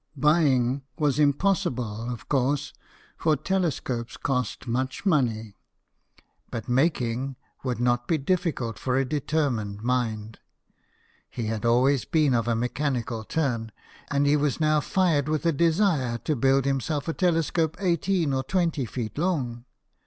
Buy ing was impossible, of course, for telescopes cost much money : but making would not be difficult for a determined mind. He had always been of a mechanical turn, and he was now fired with a desire to build himself a telescope eighteen or twenty feet long.